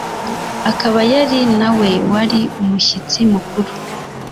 akaba yari na we wari umushyitsi mukuru